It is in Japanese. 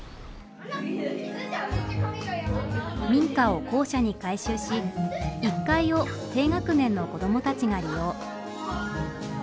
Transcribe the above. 民家を校舎に改修し１階を低学年の子どもたちが利用。